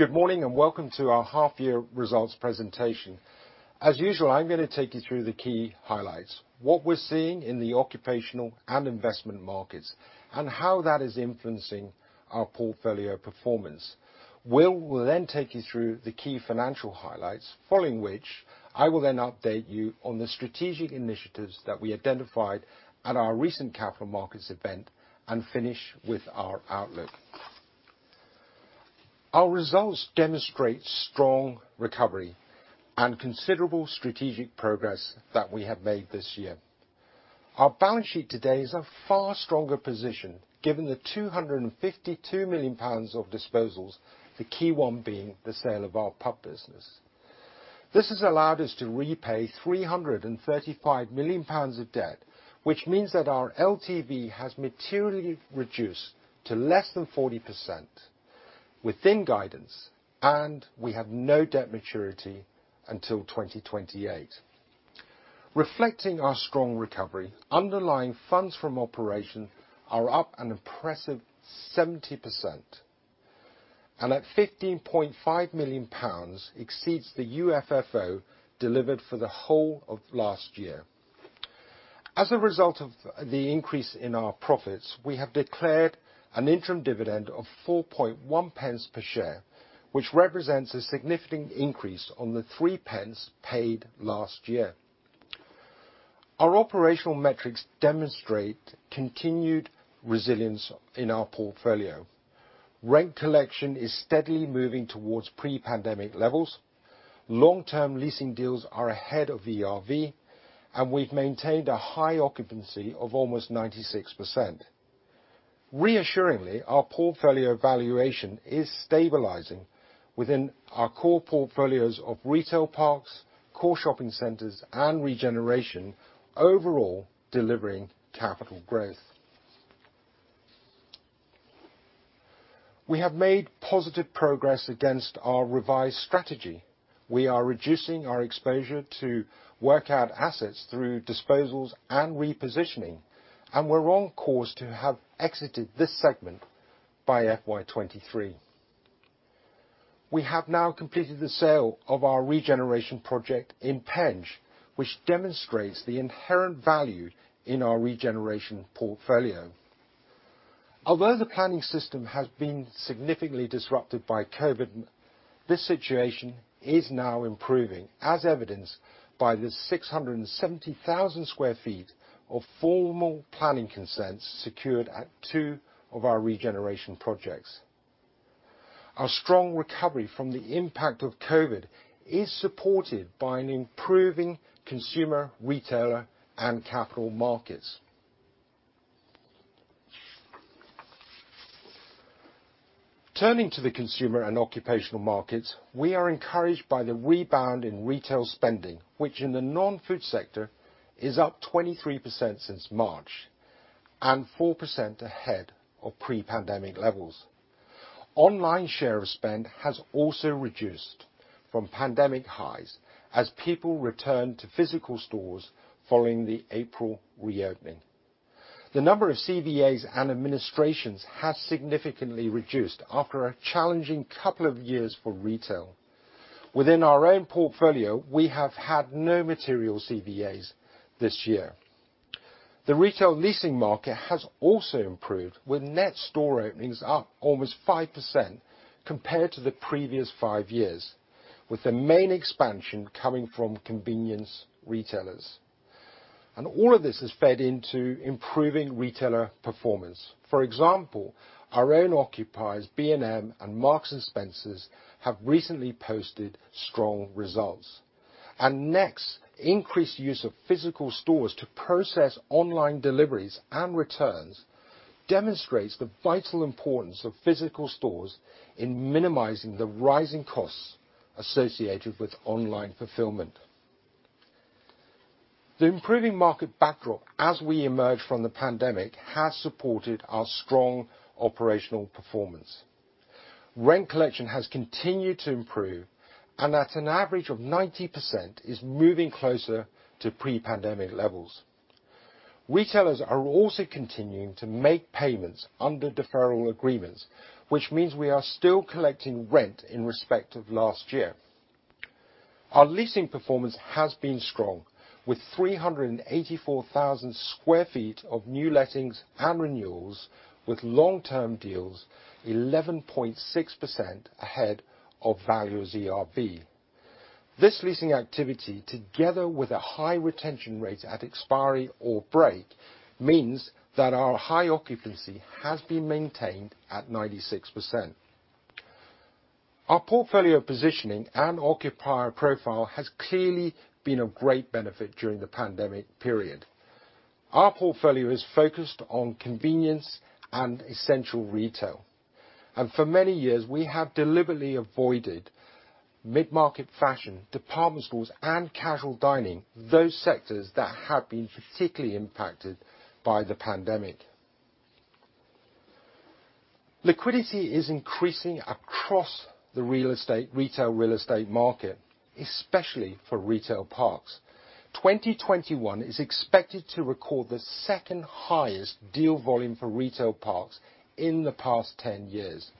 Good morning, and welcome to our half year results presentation. As usual, I'm gonna take you through the key highlights, what we're seeing in the occupational and investment markets, and how that is influencing our portfolio performance. Will then take you through the key financial highlights, following which I will then update you on the strategic initiatives that we identified at our recent capital markets event, and finish with our outlook. Our results demonstrate strong recovery and considerable strategic progress that we have made this year. Our balance sheet today is a far stronger position given the 252 million pounds of disposals, the key one being the sale of our pub business. This has allowed us to repay 335 million pounds of debt, which means that our LTV has materially reduced to less than 40% within guidance, and we have no debt maturity until 2028. Reflecting our strong recovery, underlying funds from operation are up an impressive 70%, and at 15.5 million pounds exceeds the UFFO delivered for the whole of last year. As a result of the increase in our profits, we have declared an interim dividend of 0.041 per share, which represents a significant increase on the 0.03 paid last year. Our operational metrics demonstrate continued resilience in our portfolio. Rent collection is steadily moving towards pre-pandemic levels. Long-term leasing deals are ahead of ERV, and we've maintained a high occupancy of almost 96%. Reassuringly, our portfolio valuation is stabilizing within our core portfolios of Retail Parks, core Shopping Centres, and regeneration, overall delivering capital growth. We have made positive progress against our revised strategy. We are reducing our exposure to work out assets through disposals and repositioning, and we're on course to have exited this segment by FY 2023. We have now completed the sale of our regeneration project in Penge, which demonstrates the inherent value in our regeneration portfolio. Although the planning system has been significantly disrupted by COVID, this situation is now improving, as evidenced by the 670,000 sq ft of formal planning consents secured at two of our regeneration projects. Our strong recovery from the impact of COVID is supported by an improving consumer, retailer, and capital markets. Turning to the consumer and occupational markets, we are encouraged by the rebound in retail spending, which in the non-food sector is up 23% since March, and 4% ahead of pre-pandemic levels. Online share of spend has also reduced from pandemic highs as people return to physical stores following the April reopening. The number of CVAs and administrations have significantly reduced after a challenging couple of years for retail. Within our own portfolio, we have had no material CVAs this year. The retail leasing market has also improved with net store openings up almost 5% compared to the previous five years, with the main expansion coming from convenience retailers. All of this has fed into improving retailer performance. For example, our own occupiers, B&M and Marks & Spencer, have recently posted strong results. Next, increased use of physical stores to process online deliveries and returns demonstrates the vital importance of physical stores in minimizing the rising costs associated with online fulfillment. The improving market backdrop as we emerge from the pandemic has supported our strong operational performance. Rent collection has continued to improve, and at an average of 90% is moving closer to pre-pandemic levels. Retailers are also continuing to make payments under deferral agreements, which means we are still collecting rent in respect of last year. Our leasing performance has been strong, with 384,000 sq ft of new lettings and renewals, with long-term deals 11.6% ahead of Value's ERV. This leasing activity, together with a high retention rate at expiry or break, means that our high occupancy has been maintained at 96%. Our portfolio positioning and occupier profile has clearly been of great benefit during the pandemic period. Our portfolio is focused on convenience and essential retail. For many years, we have deliberately avoided mid-market fashion, department stores, and casual dining, those sectors that have been particularly impacted by the pandemic. Liquidity is increasing across the real estate, retail real estate market, especially for Retail Parks. 2021 is expected to record the second highest deal volume for Retail Parks in the past 10 years.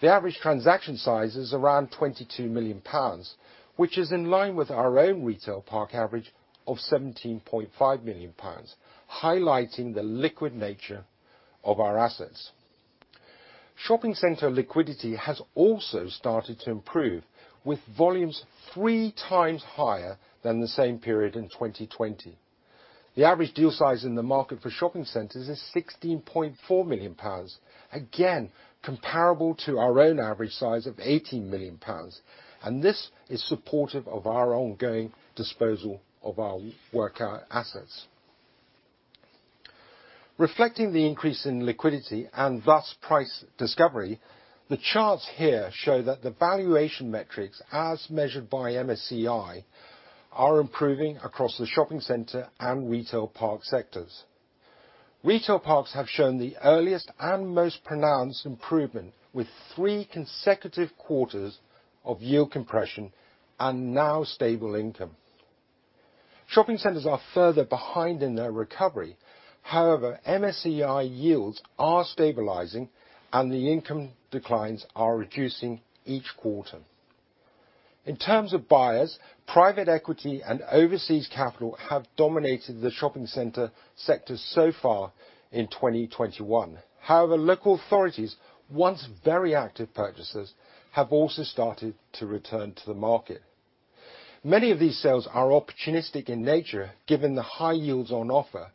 The average transaction size is around 22 million pounds, which is in line with our own retail park average of 17.5 million pounds, highlighting the liquid nature of our assets. Shopping center liquidity has also started to improve, with volumes 3x higher than the same period in 2020. The average deal size in the market for Shopping Centres is 16.4 million pounds, again, comparable to our own average size of 18 million pounds, and this is supportive of our ongoing disposal of our workout assets. Reflecting the increase in liquidity and, thus, price discovery, the charts here show that the valuation metrics, as measured by MSCI, are improving across the shopping center and retail park sectors. Retail Parks have shown the earliest and most pronounced improvement, with three consecutive quarters of yield compression and now stable income. Shopping Centres are further behind in their recovery, however, MSCI yields are stabilizing and the income declines are reducing each quarter. In terms of buyers, private equity and overseas capital have dominated the shopping center sector so far in 2021. However, local authorities, once very active purchasers, have also started to return to the market. Many of these sales are opportunistic in nature, given the high yields on offer,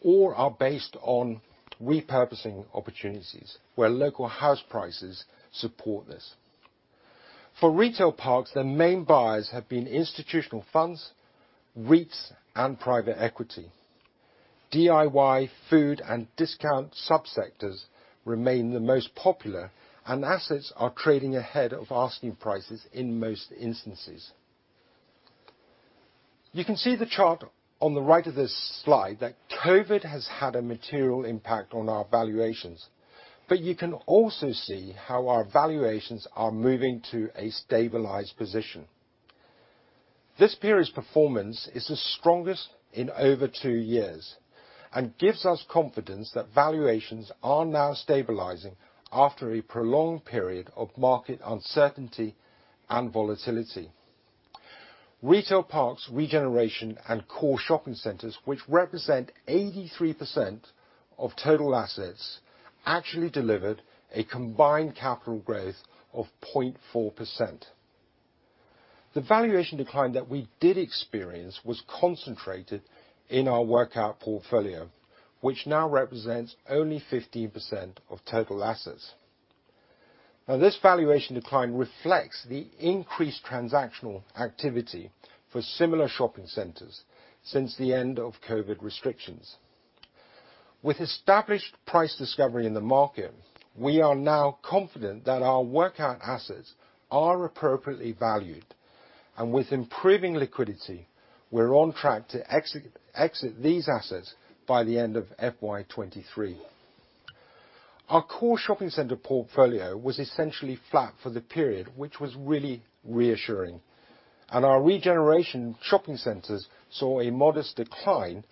or are based on repurposing opportunities, where local house prices support this. For Retail Parks, the main buyers have been institutional funds, REITs, and private equity. DIY, food, and discount sub-sectors remain the most popular, and assets are trading ahead of asking prices in most instances. You can see the chart on the right of this slide that COVID has had a material impact on our valuations, but you can also see how our valuations are moving to a stabilized position. This period's performance is the strongest in over two years and gives us confidence that valuations are now stabilizing after a prolonged period of market uncertainty and volatility. Retail Parks regeneration and core Shopping Centres, which represent 83% of total assets, actually delivered a combined capital growth of 0.4%. The valuation decline that we did experience was concentrated in our workout portfolio, which now represents only 15% of total assets. Now this valuation decline reflects the increased transactional activity for similar Shopping Centres since the end of COVID restrictions. With established price discovery in the market, we are now confident that our workout assets are appropriately valued, and with improving liquidity, we're on track to exit these assets by the end of FY 2023. Our Core Shopping Centre portfolio was essentially flat for the period, which was really reassuring, and our Regeneration Shopping Centres saw a modest decline,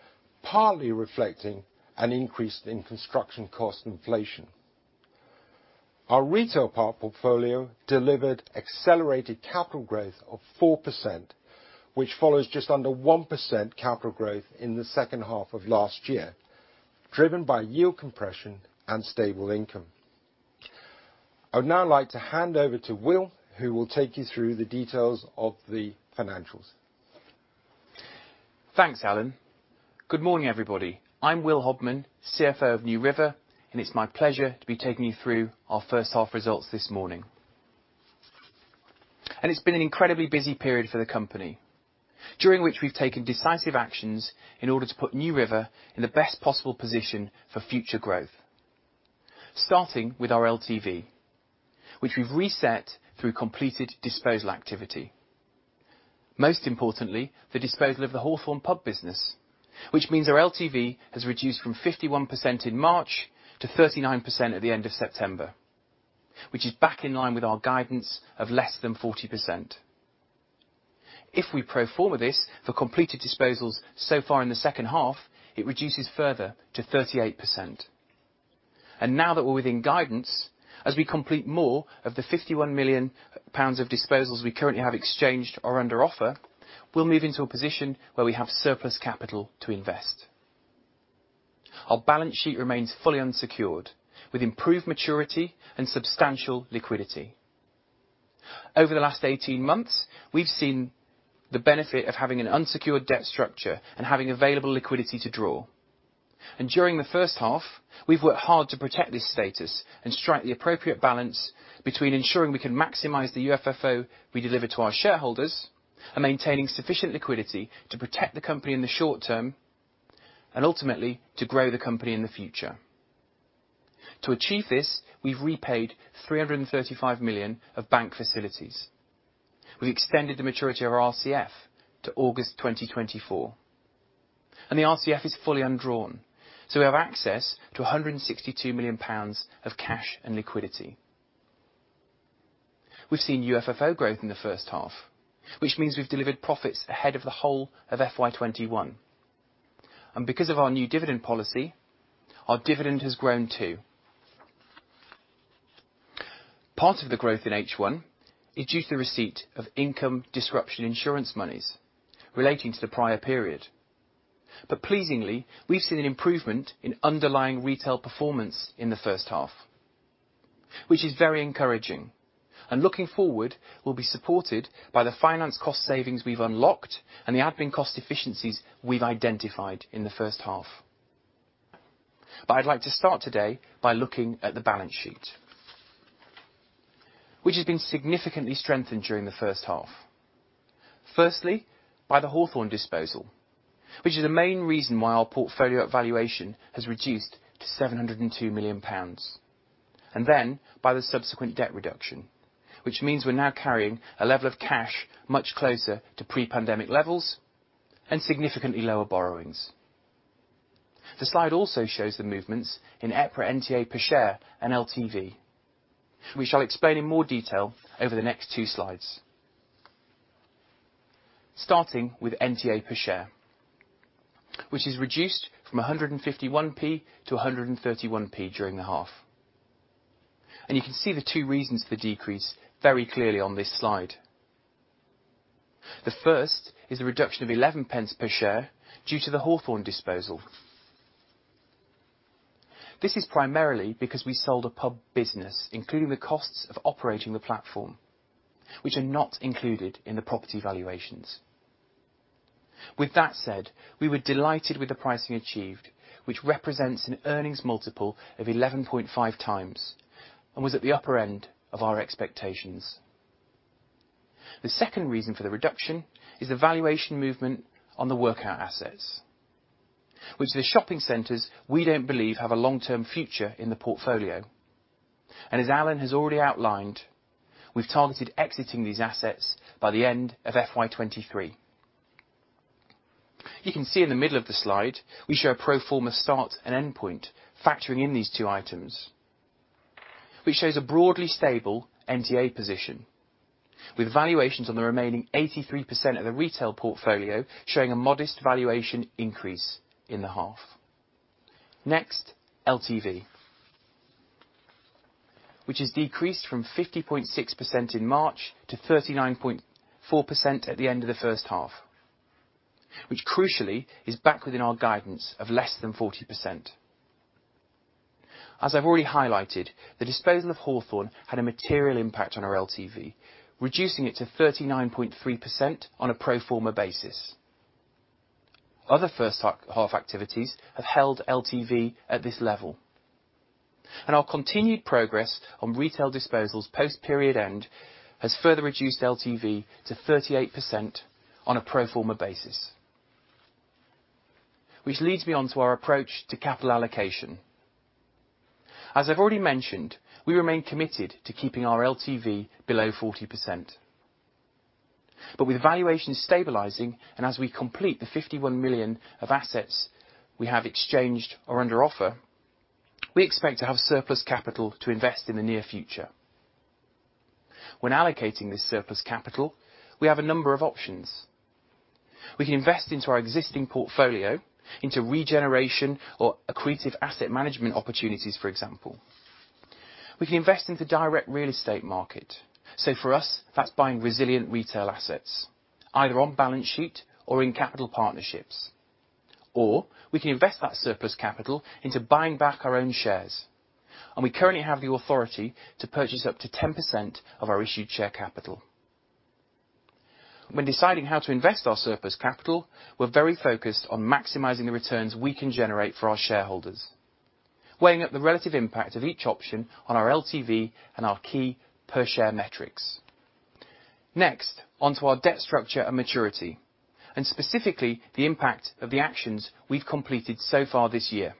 partly reflecting an increase in construction cost inflation. Our Retail Park portfolio delivered accelerated capital growth of 4%, which follows just under 1% capital growth in the second half of last year, driven by yield compression and stable income. I would now like to hand over to Will, who will take you through the details of the financials. Thanks, Allan. Good morning, everybody. I'm Will Hobman, CFO of NewRiver, and it's my pleasure to be taking you through our first half results this morning. It's been an incredibly busy period for the company, during which we've taken decisive actions in order to put NewRiver in the best possible position for future growth. Starting with our LTV, which we've reset through completed disposal activity. Most importantly, the disposal of the Hawthorn pub business, which means our LTV has reduced from 51% in March to 39% at the end of September, which is back in line with our guidance of less than 40%. If we pro forma this for completed disposals so far in the second half, it reduces further to 38%. Now that we're within guidance, as we complete more of the 51 million pounds of disposals we currently have exchanged or under offer, we'll move into a position where we have surplus capital to invest. Our balance sheet remains fully unsecured, with improved maturity and substantial liquidity. Over the last 18 months, we've seen the benefit of having an unsecured debt structure and having available liquidity to draw. During the first half, we've worked hard to protect this status and strike the appropriate balance between ensuring we can maximize the UFFO we deliver to our shareholders and maintaining sufficient liquidity to protect the company in the short term and ultimately to grow the company in the future. To achieve this, we've repaid 335 million of bank facilities. We've extended the maturity of our RCF to August 2024. The RCF is fully undrawn, so we have access to 162 million pounds of cash and liquidity. We've seen UFFO growth in the first half, which means we've delivered profits ahead of the whole of FY 2021. Because of our new dividend policy, our dividend has grown, too. Part of the growth in H1 is due to the receipt of income disruption insurance monies relating to the prior period. Pleasingly, we've seen an improvement in underlying retail performance in the first half, which is very encouraging. Looking forward will be supported by the finance cost savings we've unlocked and the admin cost efficiencies we've identified in the first half. I'd like to start today by looking at the balance sheet, which has been significantly strengthened during the first half. Firstly, by the Hawthorn disposal, which is the main reason why our portfolio valuation has reduced to 702 million pounds. By the subsequent debt reduction, which means we're now carrying a level of cash much closer to pre-pandemic levels and significantly lower borrowings. The slide also shows the movements in EPRA NTA per share and LTV. We shall explain in more detail over the next two slides. Starting with NTA per share, which is reduced from 151p to 131p during the half. You can see the two reasons for the decrease very clearly on this slide. The first is a reduction of 0.11 per share due to the Hawthorn disposal. This is primarily because we sold a pub business, including the costs of operating the platform, which are not included in the property valuations. With that said, we were delighted with the pricing achieved, which represents an earnings multiple of 11.5x, and was at the upper end of our expectations. The second reason for the reduction is the valuation movement on the workout assets, which the Shopping Centres we don't believe have a long-term future in the portfolio. As Allan has already outlined, we've targeted exiting these assets by the end of FY 2023. You can see in the middle of the slide, we show a pro forma start and endpoint factoring in these two items, which shows a broadly stable NTA position, with valuations on the remaining 83% of the retail portfolio showing a modest valuation increase in the half. Next, LTV, which has decreased from 50.6% in March to 39.4% at the end of the first half, which crucially is back within our guidance of less than 40%. As I've already highlighted, the disposal of Hawthorn had a material impact on our LTV, reducing it to 39.3% on a pro forma basis. Other first half activities have held LTV at this level. Our continued progress on retail disposals post-period end has further reduced LTV to 38% on a pro forma basis. Which leads me onto our approach to capital allocation. As I've already mentioned, we remain committed to keeping our LTV below 40%. With valuations stabilizing and as we complete the 51 million of assets we have exchanged or under offer, we expect to have surplus capital to invest in the near future. When allocating this surplus capital, we have a number of options. We can invest into our existing portfolio, into regeneration or accretive asset management opportunities, for example. We can invest in the direct real estate market. For us, that's buying resilient retail assets, either on balance sheet or in capital partnerships. We can invest that surplus capital into buying back our own shares. We currently have the authority to purchase up to 10% of our issued share capital. When deciding how to invest our surplus capital, we're very focused on maximizing the returns we can generate for our shareholders, weighing up the relative impact of each option on our LTV and our key per share metrics. Next, onto our debt structure and maturity, and specifically, the impact of the actions we've completed so far this year.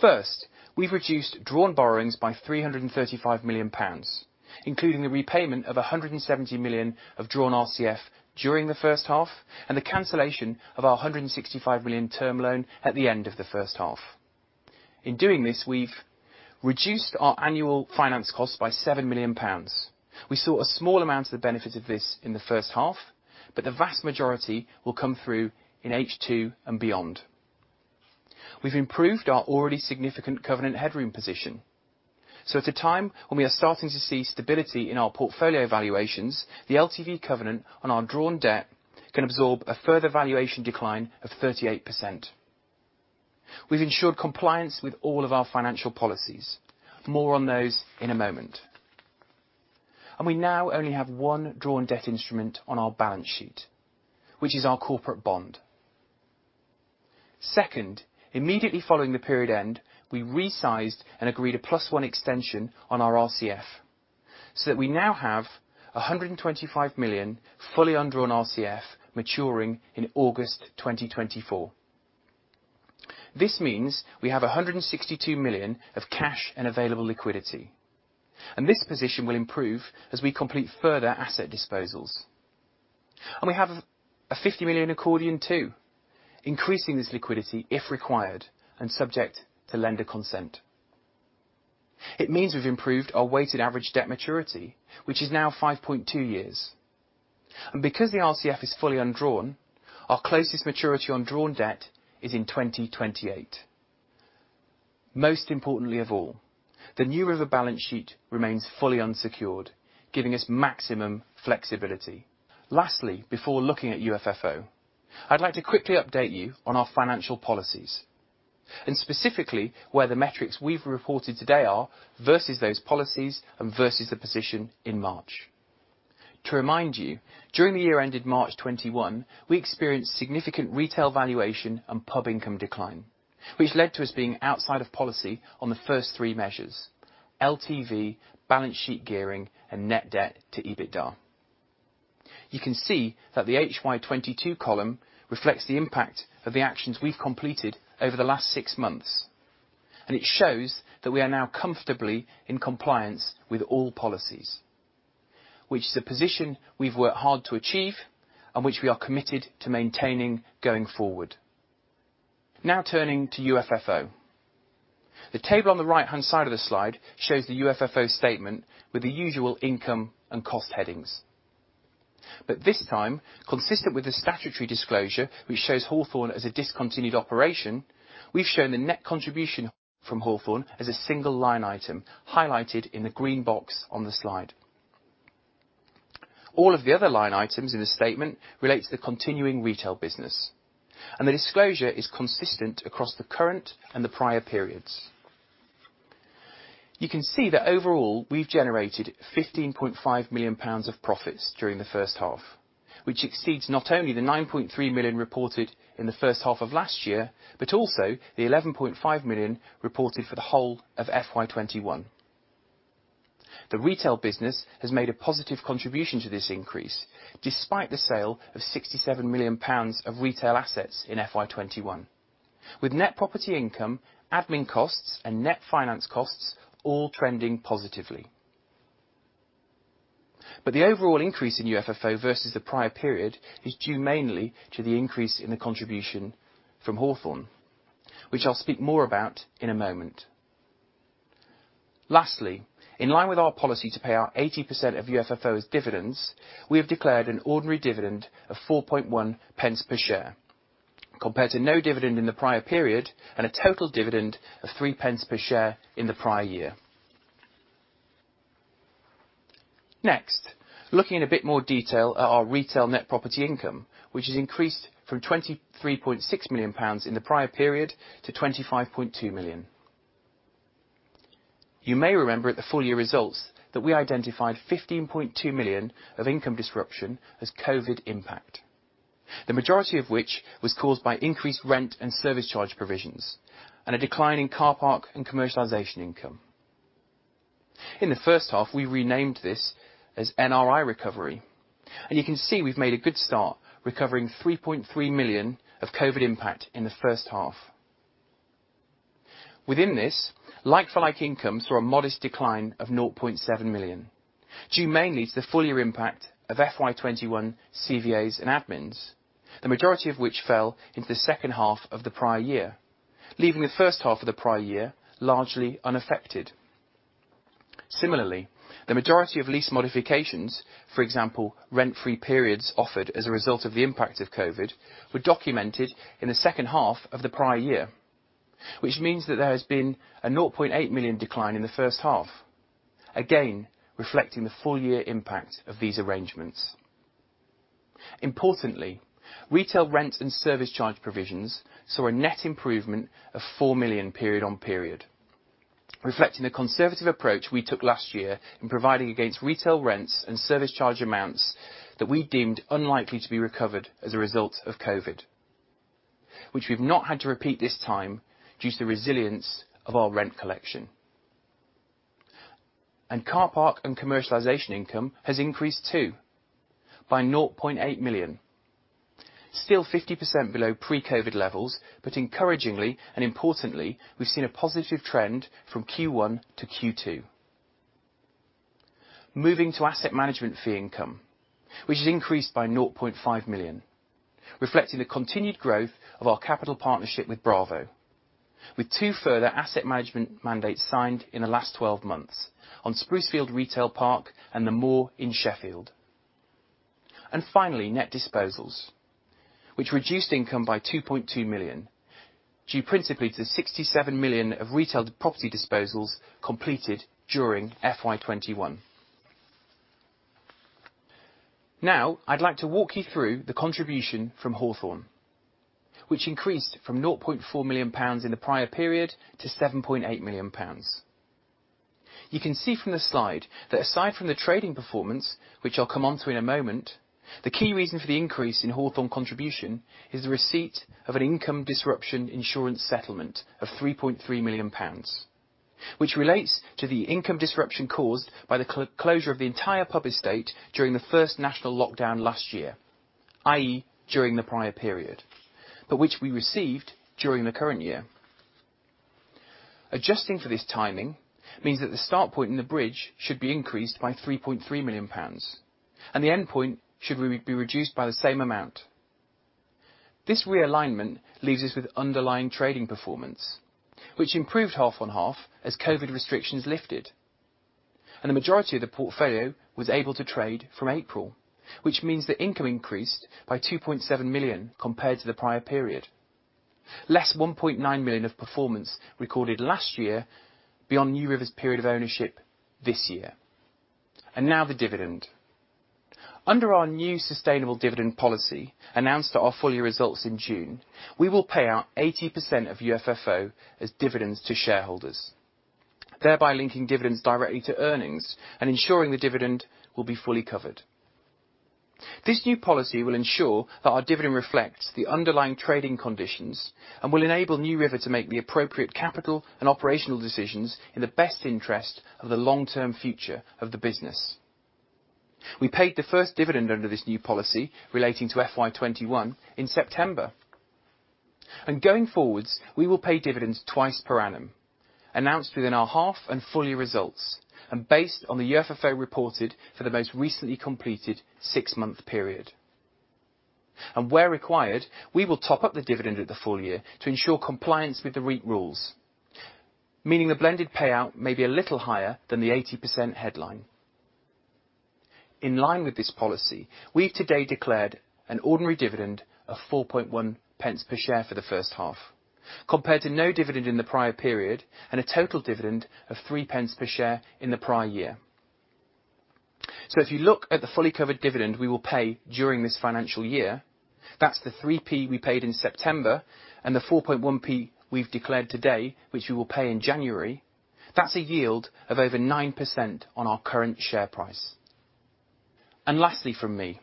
First, we've reduced drawn borrowings by 335 million pounds, including the repayment of 170 million of drawn RCF during the first half and the cancellation of our 165 million term loan at the end of the first half. In doing this, we've reduced our annual finance cost by 7 million pounds. We saw a small amount of the benefit of this in the first half, but the vast majority will come through in H2 and beyond. We've improved our already significant covenant headroom position. At the time, when we are starting to see stability in our portfolio valuations, the LTV covenant on our drawn debt can absorb a further valuation decline of 38%. We've ensured compliance with all of our financial policies. More on those in a moment. We now only have one drawn debt instrument on our balance sheet, which is our corporate bond. Second, immediately following the period end, we resized and agreed a plus one extension on our RCF, so that we now have 125 million fully undrawn RCF maturing in August 2024. This means we have 162 million of cash and available liquidity. This position will improve as we complete further asset disposals. We have a 50 million accordion too, increasing this liquidity if required and subject to lender consent. It means we've improved our weighted average debt maturity, which is now 5.2 years. Because the RCF is fully undrawn, our closest maturity on drawn debt is in 2028. Most importantly of all, the NewRiver balance sheet remains fully unsecured, giving us maximum flexibility. Lastly, before looking at UFFO, I'd like to quickly update you on our financial policies, and specifically where the metrics we've reported today are versus those policies and versus the position in March. To remind you, during the year ended March 2021, we experienced significant retail valuation and pub income decline, which led to us being outside of policy on the first three measures: LTV, balance sheet gearing, and net debt to EBITDA. You can see that the HY 2022 column reflects the impact of the actions we've completed over the last six months, and it shows that we are now comfortably in compliance with all policies, which is a position we've worked hard to achieve and which we are committed to maintaining going forward. Now, turning to UFFO. The table on the right-hand side of this slide shows the UFFO statement with the usual income and cost headings. this time, consistent with the statutory disclosure, which shows Hawthorn as a discontinued operation, we've shown the net contribution from Hawthorn as a single line item highlighted in the green box on the slide. All of the other line items in the statement relate to the continuing retail business, and the disclosure is consistent across the current and the prior periods. You can see that overall, we've generated 15.5 million pounds of profits during the first half, which exceeds not only the 9.3 million reported in the first half of last year, but also the 11.5 million reported for the whole of FY 2021. The retail business has made a positive contribution to this increase, despite the sale of 67 million pounds of retail assets in FY 2021, with net property income, admin costs, and net finance costs all trending positively. The overall increase in UFFO versus the prior period is due mainly to the increase in the contribution from Hawthorn, which I'll speak more about in a moment. Lastly, in line with our policy to pay out 80% of UFFO as dividends, we have declared an ordinary dividend of 0.041 per share, compared to no dividend in the prior period and a total dividend of 0.03 per share in the prior year. Next, looking in a bit more detail at our retail net property income, which has increased from 23.6 million pounds in the prior period to 25.2 million. You may remember at the full year results that we identified 15.2 million of income disruption as COVID impact, the majority of which was caused by increased rent and service charge provisions and a decline in car park and commercialization income. In the first half, we renamed this as NRI recovery, and you can see we've made a good start recovering 3.3 million of COVID impact in the first half. Within this, like-for-like income saw a modest decline of 0.7 million, due mainly to the full year impact of FY 2021 CVAs and admins, the majority of which fell into the second half of the prior year, leaving the first half of the prior year largely unaffected. Similarly, the majority of lease modifications, for example, rent-free periods offered as a result of the impact of COVID, were documented in the second half of the prior year, which means that there has been a 0.8 million decline in the first half, again, reflecting the full year impact of these arrangements. Importantly, retail rent and service charge provisions saw a net improvement of 4 million period on period, reflecting the conservative approach we took last year in providing against retail rents and service charge amounts that we deemed unlikely to be recovered as a result of COVID, which we've not had to repeat this time due to the resilience of our rent collection. Car park and commercialization income has increased too by 0.8 million. Still 50% below pre-COVID levels, but encouragingly and importantly, we've seen a positive trend from Q1 to Q2. Moving to asset management fee income, which has increased by 0.5 million, reflecting the continued growth of our capital partnership with BRAVO, with two further asset management mandates signed in the last 12 months on Sprucefield Retail Park and The Moor in Sheffield. Finally, net disposals, which reduced income by 2.2 million, due principally to the 67 million of retailed property disposals completed during FY 2021. Now, I'd like to walk you through the contribution from Hawthorn, which increased from 0.4 million pounds in the prior period to 7.8 million pounds. You can see from the slide that aside from the trading performance, which I'll come onto in a moment, the key reason for the increase in Hawthorn contribution is the receipt of an income disruption insurance settlement of 3.3 million pounds, which relates to the income disruption caused by the closure of the entire pub estate during the first national lockdown last year, i.e. during the prior period, but which we received during the current year. Adjusting for this timing means that the start point in the bridge should be increased by 3.3 million pounds and the endpoint should be reduced by the same amount. This realignment leaves us with underlying trading performance which improved half on half as COVID restrictions lifted and the majority of the portfolio was able to trade from April which means the income increased by 2.7 million compared to the prior period. Less 1.9 million of performance recorded last year beyond NewRiver's period of ownership this year. Now the dividend. Under our new sustainable dividend policy announced at our full year results in June, we will pay out 80% of UFFO as dividends to shareholders, thereby linking dividends directly to earnings and ensuring the dividend will be fully covered. This new policy will ensure that our dividend reflects the underlying trading conditions and will enable NewRiver to make the appropriate capital and operational decisions in the best interest of the long-term future of the business. We paid the first dividend under this new policy relating to FY 2021 in September. Going forward, we will pay dividends twice per annum, announced within our half and full year results and based on the UFFO reported for the most recently completed six-month period. Where required, we will top up the dividend at the full year to ensure compliance with the REIT rules, meaning the blended payout may be a little higher than the 80% headline. In line with this policy, we today declared an ordinary dividend of 0.041 per share for the first half, compared to no dividend in the prior period and a total dividend of 0.03 per share in the prior year. If you look at the fully covered dividend we will pay during this financial year, that's the 0.03 we paid in September and the 0.041 we've declared today, which we will pay in January. That's a yield of over 9% on our current share price. Lastly from me,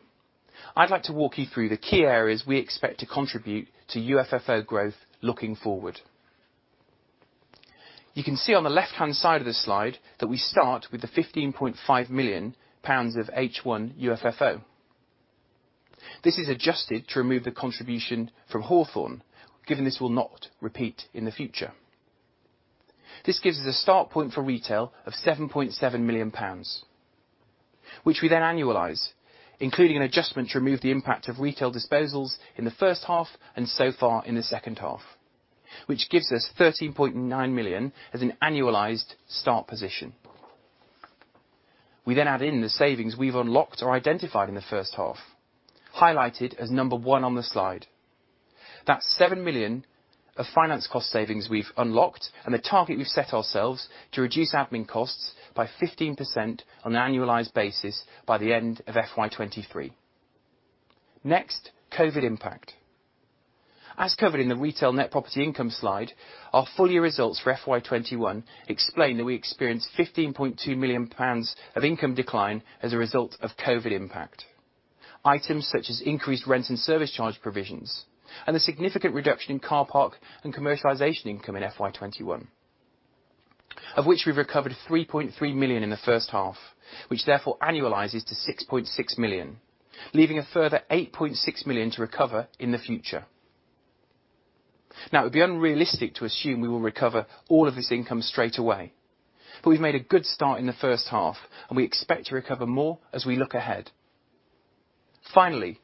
I'd like to walk you through the key areas we expect to contribute to UFFO growth looking forward. You can see on the left-hand side of this slide that we start with the 15.5 million pounds of H1 UFFO. This is adjusted to remove the contribution from Hawthorn, given this will not repeat in the future. This gives us a start point for retail of 7.7 million pounds, which we then annualize, including an adjustment to remove the impact of retail disposals in the first half and so far in the second half, which gives us 13.9 million as an annualized start position. We then add in the savings we've unlocked or identified in the first half, highlighted as number one on the slide. That's 7 million of finance cost savings we've unlocked and the target we've set ourselves to reduce admin costs by 15% on an annualized basis by the end of FY 2023. Next, COVID impact. As covered in the retail net property income slide, our full year results for FY 2021 explain that we experienced 15.2 million pounds of income decline as a result of COVID impact. Items such as increased rent and service charge provisions and the significant reduction in car park and commercialization income in FY 2021, of which we've recovered 3.3 million in the first half, which therefore annualizes to 6.6 million, leaving a further 8.6 million to recover in the future. Now, it would be unrealistic to assume we will recover all of this income straight away, but we've made a good start in the first half, and we expect to recover more as we look ahead. Finally,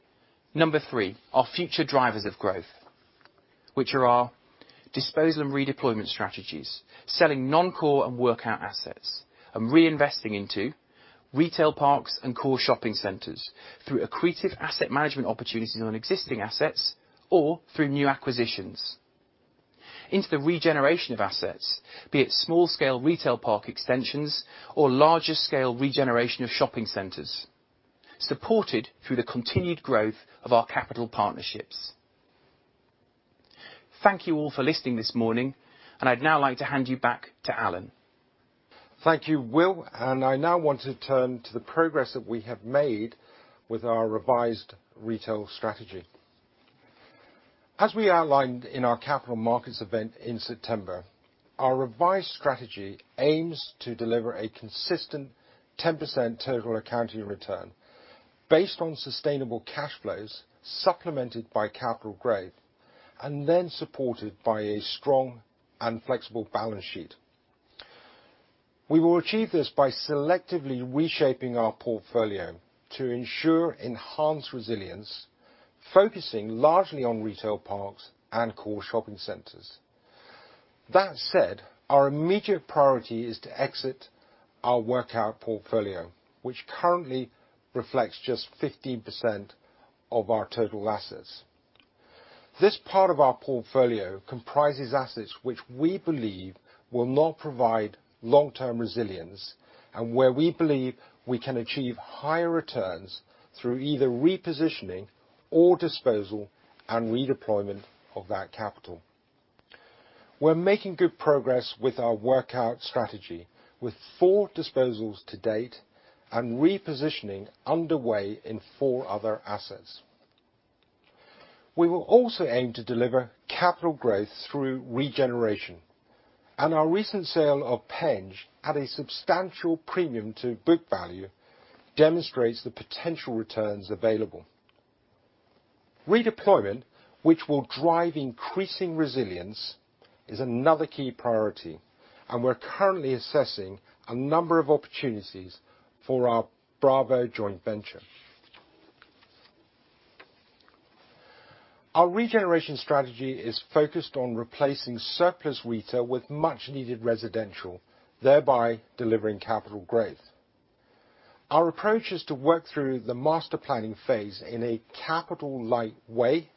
number three, our future drivers of growth, which are our disposal and redeployment strategies, selling non-core and workout assets and reinvesting into Retail Parks and Core Shopping Centres through accretive asset management opportunities on existing assets or through new acquisitions into the regeneration of assets, be it small scale retail park extensions or larger scale regeneration of shopping centres, supported through the continued growth of our capital partnerships. Thank you all for listening this morning, and I'd now like to hand you back to Allan. Thank you, Will. I now want to turn to the progress that we have made with our revised retail strategy. As we outlined in our capital markets event in September, our revised strategy aims to deliver a consistent 10% total accounting return based on sustainable cash flows supplemented by capital growth and then supported by a strong and flexible balance sheet. We will achieve this by selectively reshaping our portfolio to ensure enhanced resilience, focusing largely on Retail Parks and Core Shopping Centres. That said, our immediate priority is to exit our workout portfolio, which currently reflects just 15% of our total assets. This part of our portfolio comprises assets which we believe will not provide long-term resilience and where we believe we can achieve higher returns through either repositioning or disposal and redeployment of that capital. We're making good progress with our workout strategy with four disposals to date and repositioning underway in four other assets. We will also aim to deliver capital growth through regeneration, and our recent sale of Penge at a substantial premium to book value demonstrates the potential returns available. Redeployment, which will drive increasing resilience, is another key priority, and we're currently assessing a number of opportunities for our BRAVO joint venture. Our regeneration strategy is focused on replacing surplus retail with much needed residential, thereby delivering capital growth. Our approach is to work through the master planning phase in a capital light way,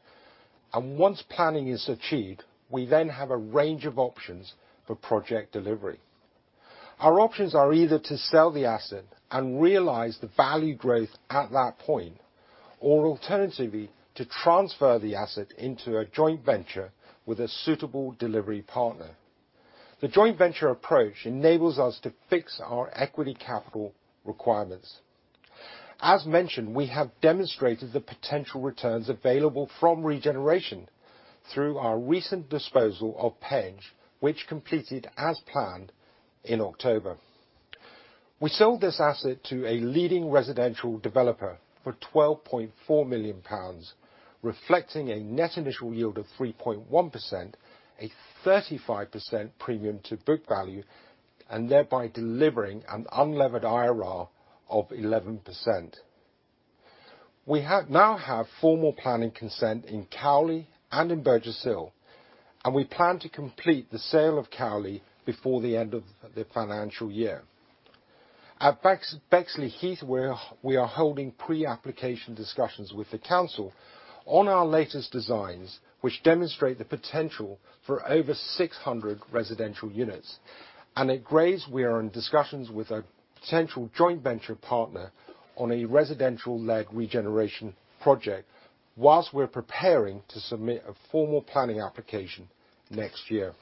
and once planning is achieved, we then have a range of options for project delivery. Our options are either to sell the asset and realize the value growth at that point, or alternatively, to transfer the asset into a joint venture with a suitable delivery partner. The joint venture approach enables us to fix our equity capital requirements. As mentioned, we have demonstrated the potential returns available from regeneration through our recent disposal of Penge, which completed as planned in October. We sold this asset to a leading residential developer for 12.4 million pounds, reflecting a net initial yield of 3.1%, a 35% premium to book value, and thereby delivering an unlevered IRR of 11%. We now have formal planning consent in Cowley and in Burgess Hill, and we plan to complete the sale of Cowley before the end of the financial year. At Bexleyheath we are holding pre-application discussions with the council on our latest designs, which demonstrate the potential for over 600 residential units. At Grays, we are in discussions with a potential joint venture partner on a residential-led regeneration project while we're preparing to submit a formal planning application next year.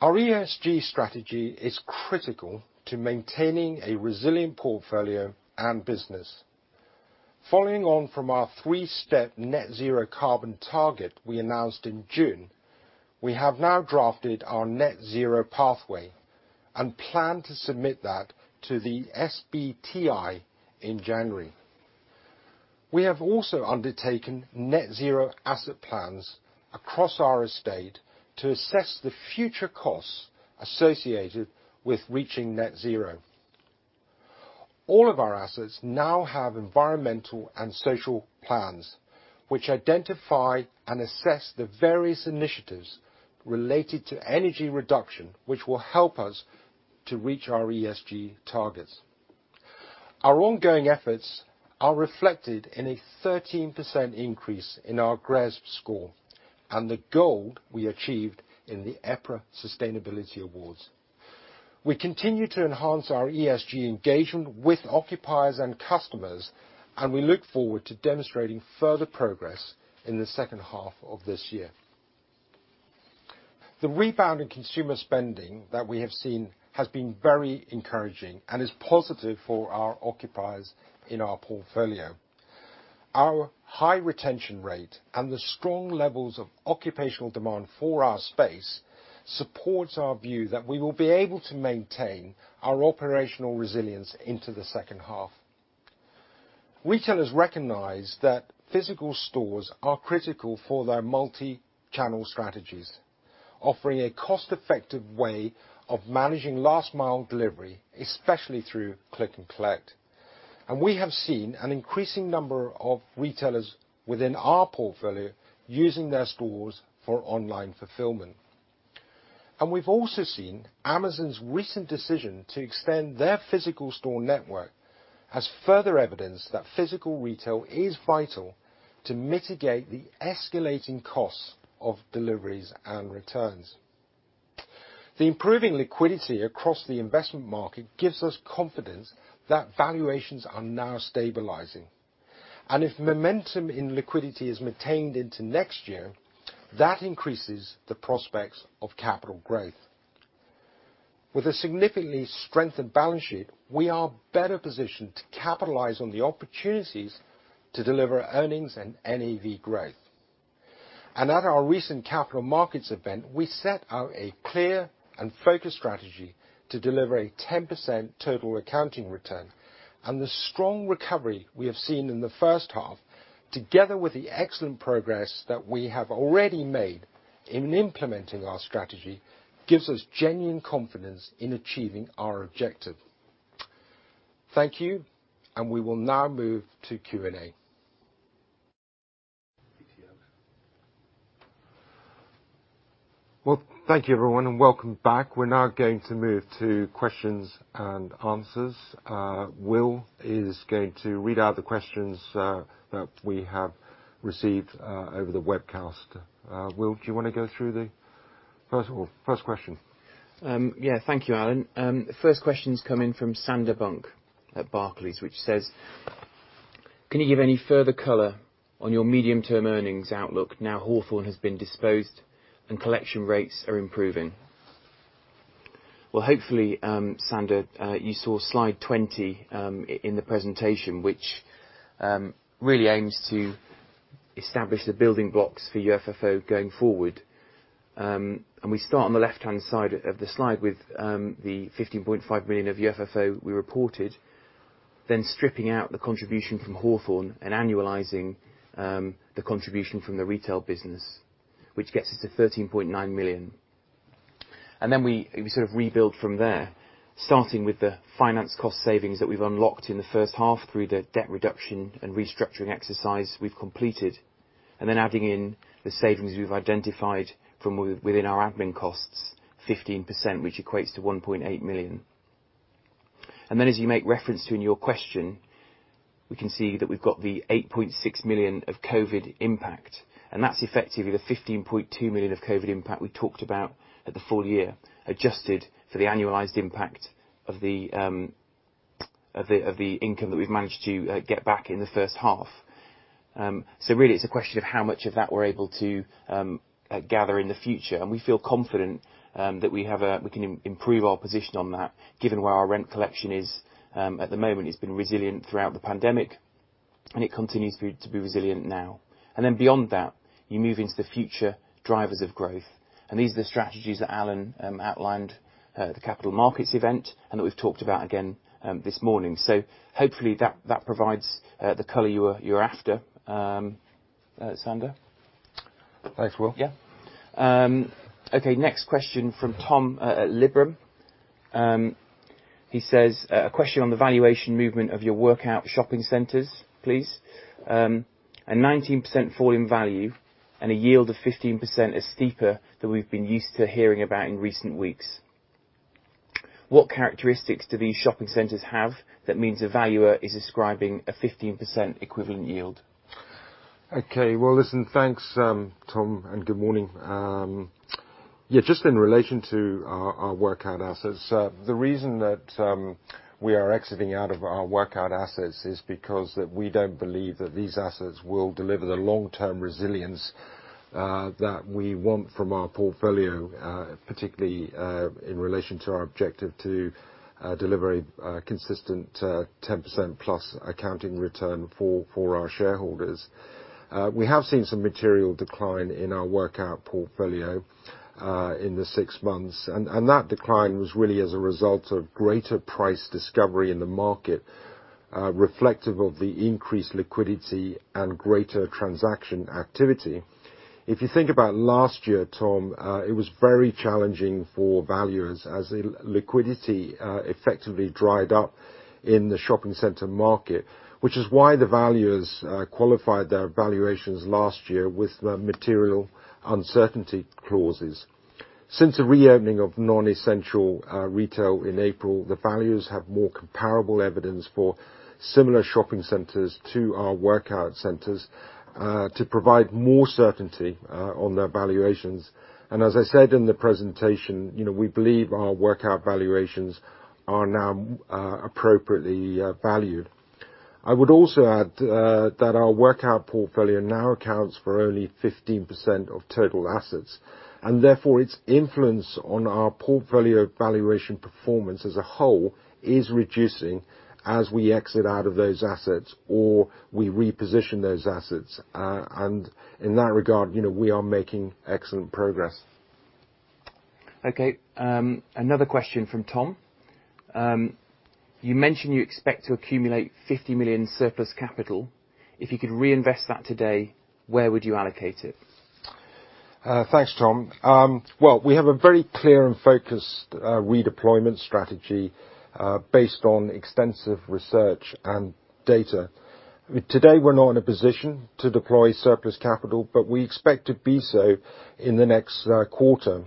Our ESG strategy is critical to maintaining a resilient portfolio and business. Following on from our three-step Net-Zero carbon target we announced in June, we have now drafted our Net-Zero pathway and plan to submit that to the SBTi in January. We have also undertaken Net-Zero asset plans across our estate to assess the future costs associated with reaching Net-Zero. All of our assets now have environmental and social plans, which identify and assess the various initiatives related to energy reduction, which will help us to reach our ESG targets. Our ongoing efforts are reflected in a 13% increase in our GRESB score and the gold we achieved in the EPRA Sustainability Awards. We continue to enhance our ESG engagement with occupiers and customers, and we look forward to demonstrating further progress in the second half of this year. The rebound in consumer spending that we have seen has been very encouraging and is positive for our occupiers in our portfolio. Our high retention rate and the strong levels of occupational demand for our space supports our view that we will be able to maintain our operational resilience into the second half. Retailers recognize that physical stores are critical for their multi-channel strategies, offering a cost-effective way of managing last mile delivery, especially through click and collect. We have seen an increasing number of retailers within our portfolio using their stores for online fulfillment. We've also seen Amazon's recent decision to extend their physical store network as further evidence that physical retail is vital to mitigate the escalating costs of deliveries and returns. The improving liquidity across the investment market gives us confidence that valuations are now stabilizing. If momentum in liquidity is maintained into next year, that increases the prospects of capital growth. With a significantly strengthened balance sheet, we are better positioned to capitalize on the opportunities to deliver earnings and NAV growth. At our recent capital markets event, we set out a clear and focused strategy to deliver a 10% total accounting return, and the strong recovery we have seen in the first half, together with the excellent progress that we have already made in implementing our strategy, gives us genuine confidence in achieving our objective. Thank you, we will now move to Q&A. Well, thank you everyone, and welcome back. We're now going to move to questions and answers. Will is going to read out the questions that we have received over the webcast. Will, do you wanna go through the first one, first question? Yeah. Thank you, Allan. The first question's come in from Sander Bunck at Barclays, which says, "Can you give any further color on your medium term earnings outlook now Hawthorn has been disposed and collection rates are improving?" Well, hopefully, Sander, you saw slide 20 in the presentation, which really aims to establish the building blocks for UFFO going forward. We start on the left-hand side of the slide with the 15.5 million of UFFO we reported, then stripping out the contribution from Hawthorn, and annualizing the contribution from the retail business, which gets us to 13.9 million. We sort of rebuild from there, starting with the finance cost savings that we've unlocked in the first half through the debt reduction and restructuring exercise we've completed, and then adding in the savings we've identified from within our admin costs, 15%, which equates to 1.8 million. As you make reference to in your question, we can see that we've got the 8.6 million of COVID impact. That's effectively the 15.2 million of COVID impact we talked about at the full year, adjusted for the annualized impact of the income that we've managed to get back in the first half. Really it's a question of how much of that we're able to gather in the future, and we feel confident that we can improve our position on that given where our rent collection is. At the moment, it's been resilient throughout the pandemic, and it continues to be resilient now. Beyond that, you move into the future drivers of growth, and these are the strategies that Allan outlined at the capital markets event, and that we've talked about again this morning. Hopefully that provides the color you were after, Sander. Thanks, Will. Next question from Tom at Liberum. He says, "A question on the valuation movement of your workout Shopping Centres, please. A 19% fall in value and a yield of 15% is steeper than we've been used to hearing about in recent weeks. What characteristics do these Shopping Centres have that means a valuer is ascribing a 15% equivalent yield? Okay. Well, listen, thanks, Tom, and good morning. Yeah, just in relation to our workout assets, the reason that we are exiting out of our workout assets is because that we don't believe that these assets will deliver the long-term resilience that we want from our portfolio, particularly in relation to our objective to deliver a consistent 10%+ accounting return for our shareholders. We have seen some material decline in our workout portfolio in the six months, and that decline was really as a result of greater price discovery in the market, reflective of the increased liquidity and greater transaction activity. If you think about last year, Tom, it was very challenging for valuers as liquidity effectively dried up in the shopping centre market, which is why the valuers qualified their valuations last year with the material uncertainty clauses. Since the reopening of non-essential retail in April, the valuers have more comparable evidence for similar shopping centres to our workout centers to provide more certainty on their valuations. As I said in the presentation, you know, we believe our workout valuations are now appropriately valued. I would also add that our workout portfolio now accounts for only 15% of total assets, and therefore, its influence on our portfolio valuation performance as a whole is reducing as we exit out of those assets, or we reposition those assets. In that regard, you know, we are making excellent progress. Okay. Another question from Tom. You mentioned you expect to accumulate 50 million surplus capital. If you could reinvest that today, where would you allocate it? Thanks, Tom. Well, we have a very clear and focused redeployment strategy based on extensive research and data. Today, we're not in a position to deploy surplus capital, but we expect to be so in the next quarter.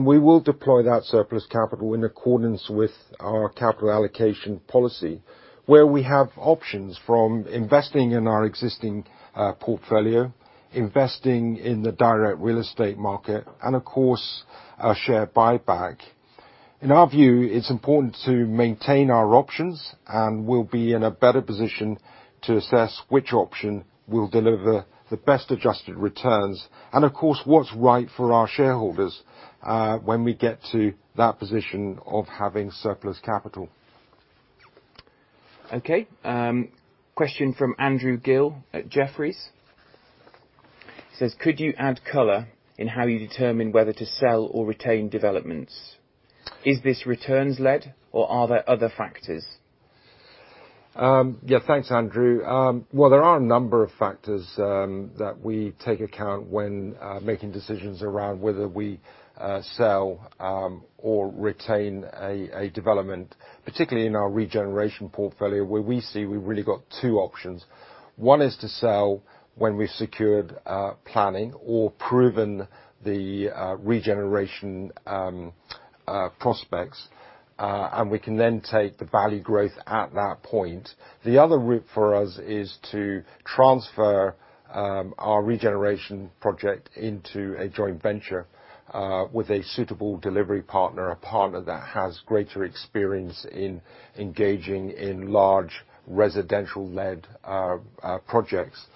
We will deploy that surplus capital in accordance with our capital allocation policy, where we have options from investing in our existing portfolio, investing in the direct real estate market, and of course, our share buyback. In our view, it's important to maintain our options, and we'll be in a better position to assess which option will deliver the best adjusted returns, and of course, what's right for our shareholders when we get to that position of having surplus capital. Okay. Question from Andrew Gill at Jefferies. He says, "Could you add color in how you determine whether to sell or retain developments? Is this returns-led, or are there other factors? Yeah. Thanks, Andrew. Well, there are a number of factors that we take into account when making decisions around whether we sell or retain a development, particularly in our regeneration portfolio, where we see, we've really got two options. One is to sell when we've secured planning or proven the regeneration prospects and we can then take the value growth at that point. The other route for us is to transfer our Regeneration project into a joint venture with a suitable delivery partner, a partner that has greater experience in engaging in large residential-led projects.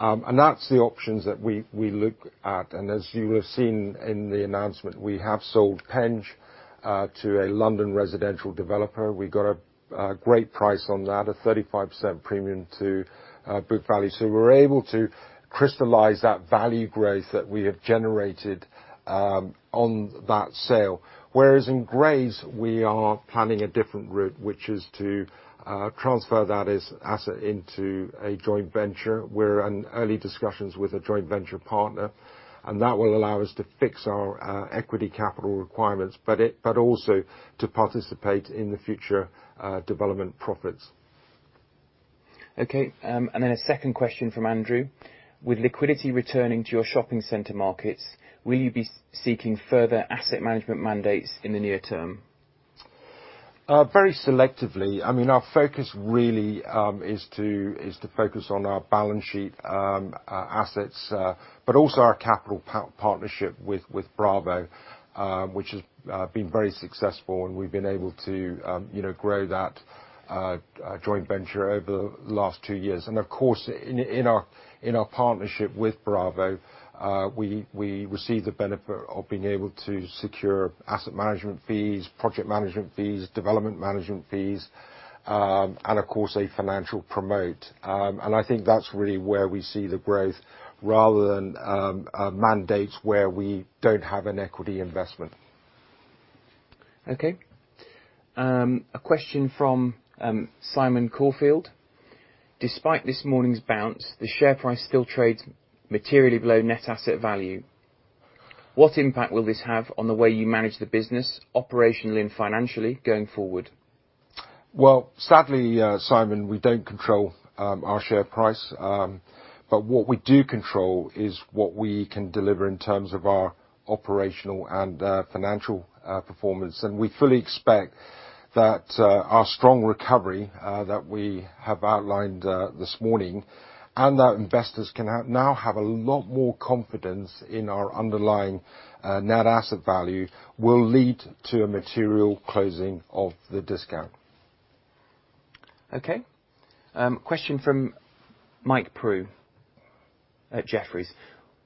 Those are the options that we look at. As you have seen in the announcement, we have sold Penge to a London residential developer. We got a great price on that, a 35% premium to book value. We're able to crystallize that value growth that we have generated on that sale. Whereas in Grays, we are planning a different route, which is to transfer that asset into a joint venture. We're in early discussions with a joint venture partner, and that will allow us to fix our equity capital requirements, but also to participate in the future development profits. Okay. A second question from Andrew. With liquidity returning to your shopping center markets, will you be seeking further asset management mandates in the near term? Very selectively. I mean, our focus really is to focus on our balance sheet, assets, but also our capital partnership with BRAVO, which has been very successful and we've been able to, you know, grow that joint venture over the last two years. Of course, in our partnership with BRAVO, we receive the benefit of being able to secure asset management fees, project management fees, development management fees, and of course a financial promote. I think that's really where we see the growth rather than mandates where we don't have an equity investment. Okay. A question from Simon Caulfield. Despite this morning's bounce, the share price still trades materially below Net Asset Value. What impact will this have on the way you manage the business operationally and financially going forward? Well, sadly, Simon, we don't control our share price. What we do control is what we can deliver in terms of our operational and financial performance. We fully expect that our strong recovery that we have outlined this morning and that investors can now have a lot more confidence in our underlying net asset value will lead to a material closing of the discount. Okay. Question from Mike Prew at Jefferies.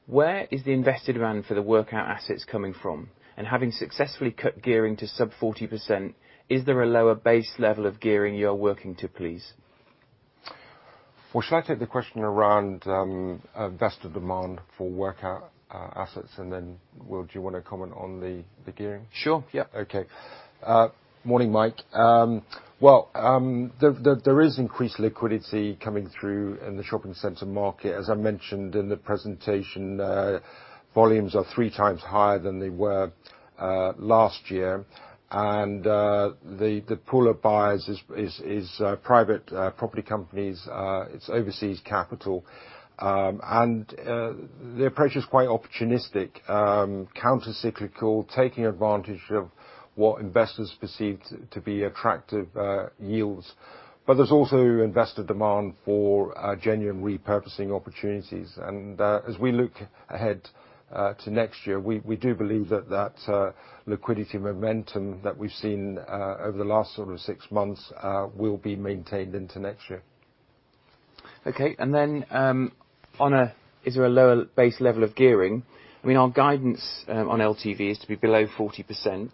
Where is the invested demand for the workout assets coming from? Having successfully cut gearing to sub 40%, is there a lower base level of gearing you're working to, please? Well, should I take the question around investor demand for workout assets, and then, Will, do you wanna comment on the gearing? Sure, yeah. Okay. Morning, Mike. Well, there is increased liquidity coming through in the shopping center market. As I mentioned in the presentation, volumes are three times higher than they were last year. The pool of buyers is private property companies, it's overseas capital. Their approach is quite opportunistic, counter cyclical, taking advantage of what investors perceive to be attractive yields. But there's also investor demand for genuine repurposing opportunities. As we look ahead to next year, we do believe that liquidity momentum that we've seen over the last sort of six months will be maintained into next year. Is there a lower base level of gearing? I mean, our guidance on LTV is to be below 40%.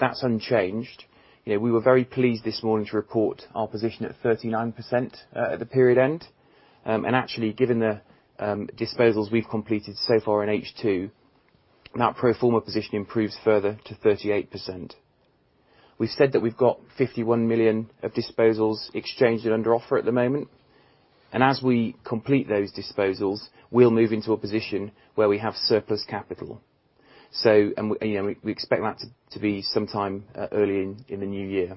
That's unchanged. You know, we were very pleased this morning to report our position at 39% at the period end. And actually, given the disposals we've completed so far in H2, that pro forma position improves further to 38%. We said that we've got 51 million of disposals exchanged and under offer at the moment, and as we complete those disposals, we'll move into a position where we have surplus capital. You know, we expect that to be sometime early in the new year.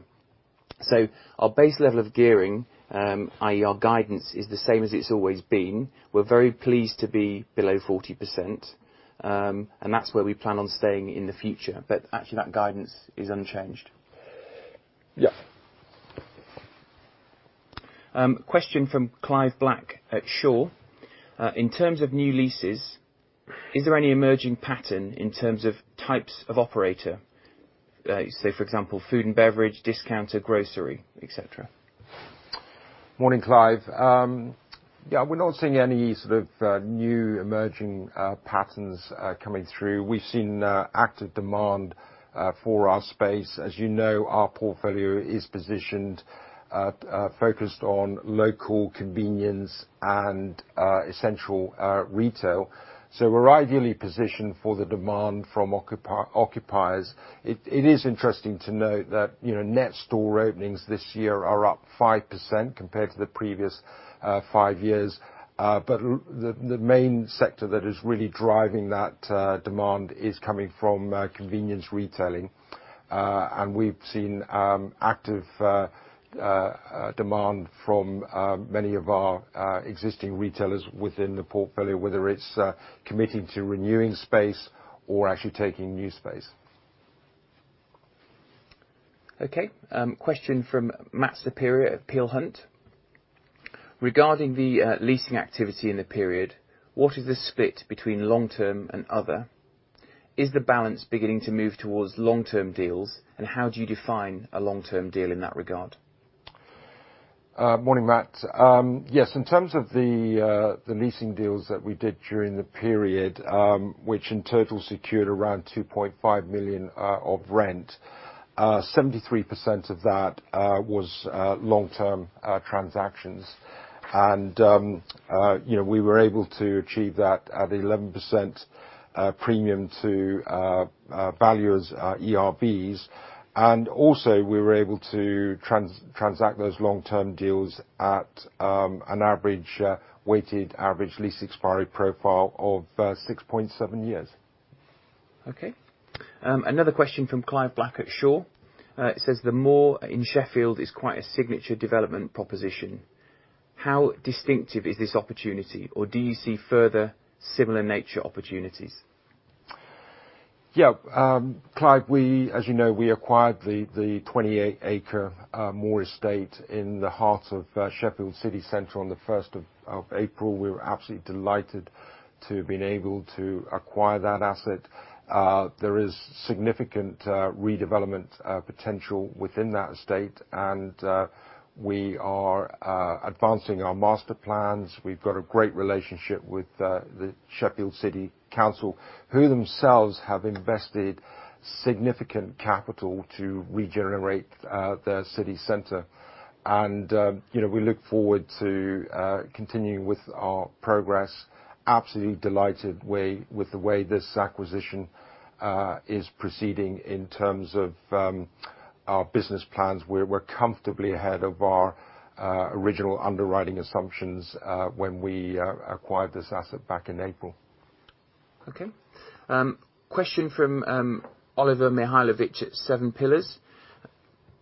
Our base level of gearing, i.e. our guidance, is the same as it's always been. We're very pleased to be below 40%, and that's where we plan on staying in the future. Actually, that guidance is unchanged. Yeah. Question from Clive Black at Shore. In terms of new leases, is there any emerging pattern in terms of types of operator? Say for example, food and beverage, discounter, grocery, et cetera. Morning, Clive. Yeah, we're not seeing any sort of new emerging patterns coming through. We've seen active demand for our space. As you know, our portfolio is positioned, focused on local convenience and essential retail. We're ideally positioned for the demand from occupiers. It is interesting to note that, you know, net store openings this year are up 5% compared to the previous five years. The main sector that is really driving that demand is coming from convenience retailing. We've seen active demand from many of our existing retailers within the portfolio, whether it's committing to renewing space or actually taking new space. Okay. Question from Matt Saperia at Peel Hunt. Regarding the leasing activity in the period, what is the split between long-term and other? Is the balance beginning to move towards long-term deals, and how do you define a long-term deal in that regard? Morning, Matt. Yes, in terms of the leasing deals that we did during the period, which in total secured around 2.5 million of rent, 73% of that was long-term transactions. You know, we were able to achieve that at 11% premium to valuer's ERVs. Also, we were able to transact those long-term deals at an average weighted average lease expiry profile of 6.7 years. Okay. Another question from Clive Black at Shore Capital. It says The Moor in Sheffield is quite a signature development proposition. How distinctive is this opportunity or do you see further similar nature opportunities? Yeah. Clive, we, as you know, acquired the 28-acre Moor estate in the heart of Sheffield City Center on the 1st of April. We were absolutely delighted to have been able to acquire that asset. There is significant redevelopment potential within that estate, and we are advancing our master plans. We've got a great relationship with the Sheffield City Council, who themselves have invested significant capital to regenerate the city center. You know, we look forward to continuing with our progress. Absolutely delighted with the way this acquisition is proceeding in terms of our business plans. We're comfortably ahead of our original underwriting assumptions when we acquired this asset back in April. Okay. Question from Oliver Mihaljevic at Seven Pillars.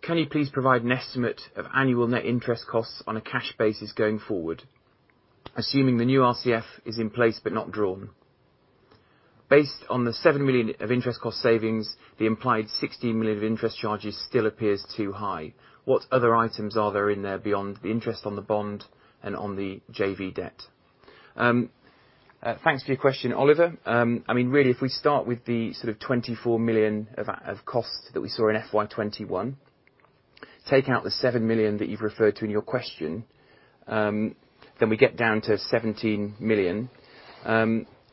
Can you please provide an estimate of annual net interest costs on a cash basis going forward, assuming the new RCF is in place but not drawn? Based on the 7 million of interest cost savings, the implied 16 million of interest charges still appears too high. What other items are there in there beyond the interest on the bond and on the JV debt? Thanks for your question, Oliver. I mean, really, if we start with the sort of 24 million of costs that we saw in FY 2021, take out the 7 million that you've referred to in your question, then we get down to 17 million.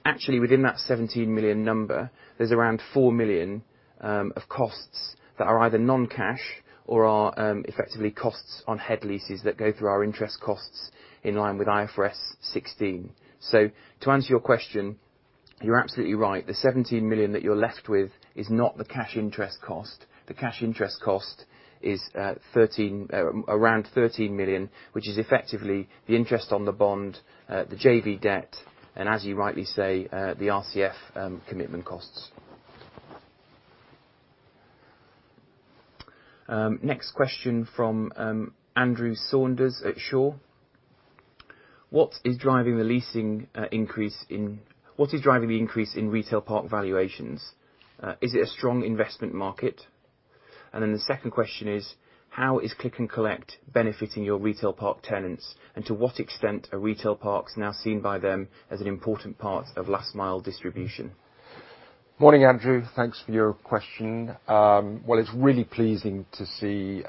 Actually, within that 17 million number, there's around 4 million of costs that are either non-cash or are effectively costs on head leases that go through our interest costs in line with IFRS 16. To answer your question, you're absolutely right. The 17 million that you're left with is not the cash interest cost. The cash interest cost is around 13 million, which is effectively the interest on the bond, the JV debt, and as you rightly say, the RCF commitment costs. Next question from Andrew Saunders at Shore. What is driving the increase in Retail Park valuations? Is it a strong investment market? And then the second question is, how is click and collect benefiting your Retail Park tenants? To what extent are Retail Parks now seen by them as an important part of last mile distribution? Morning, Andrew. Thanks for your question. Well, it's really pleasing to see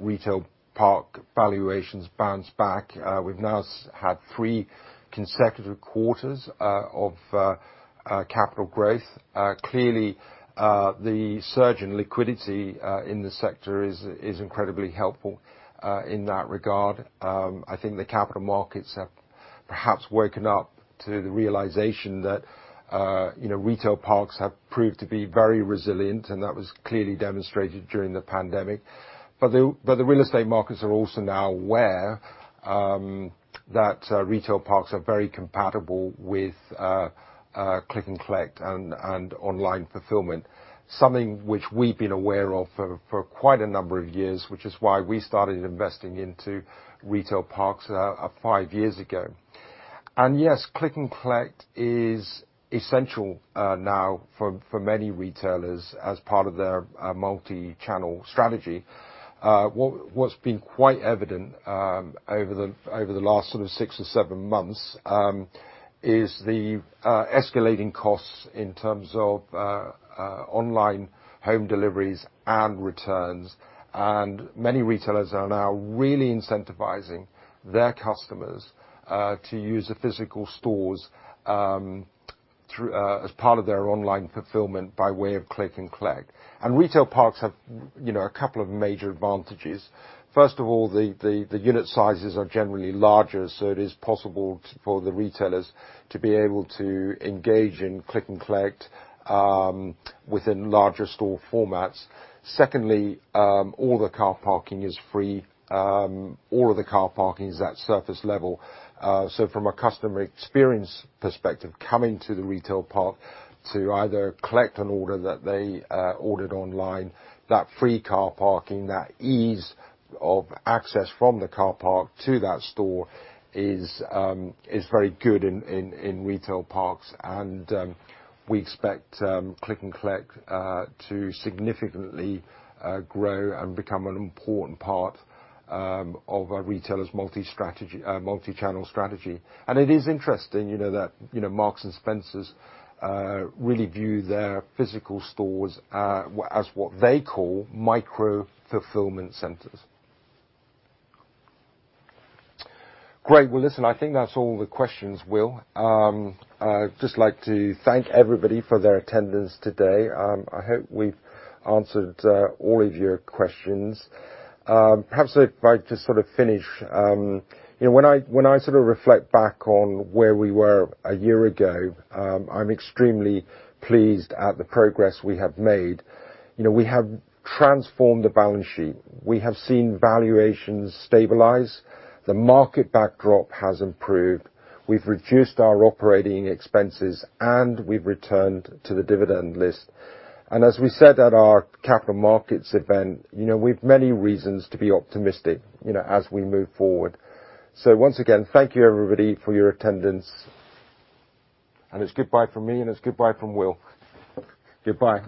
Retail Park valuations bounce back. We've now had three consecutive quarters of capital growth. Clearly, the surge in liquidity in the sector is incredibly helpful in that regard. I think the capital markets have perhaps woken up to the realization that you know, Retail Parks have proved to be very resilient, and that was clearly demonstrated during the pandemic. The real estate markets are also now aware that Retail Parks are very compatible with click &collect and online fulfillment, something which we've been aware of for quite a number of years, which is why we started investing into Retail Parks five years ago. Yes, click & collect is essential now for many retailers as part of their multi-channel strategy. What's been quite evident over the last sort of six or seven months is the escalating costs in terms of online home deliveries and returns. Many retailers are now really incentivizing their customers to use the physical stores through, as part of their online fulfillment by way of click & collect. Retail Parks have, you know, a couple of major advantages. First of all, the unit sizes are generally larger, so it is possible for the retailers to be able to engage in click & collect within larger store formats. Secondly, all the car parking is free. All of the car parking is at surface level. From a customer experience perspective, coming to the retail park to either collect an order that they ordered online, that free car parking, that ease of access from the car park to that store is very good in Retail Parks. We expect click & collect to significantly grow and become an important part of a retailer's multi-channel strategy. It is interesting, you know, that, you know, Marks & Spencer's really view their physical stores as what they call micro-fulfillment centers. Great. Well, listen, I think that's all the questions, Will. I'd just like to thank everybody for their attendance today. I hope we've answered all of your questions. Perhaps if I just sort of finish. You know, when I sort of reflect back on where we were a year ago, I'm extremely pleased at the progress we have made. You know, we have transformed the balance sheet. We have seen valuations stabilize. The market backdrop has improved. We've reduced our operating expenses, and we've returned to the dividend list. As we said at our capital markets event, you know, we've many reasons to be optimistic, you know, as we move forward. Once again, thank you, everybody, for your attendance. It's goodbye from me, and it's goodbye from Will. Goodbye.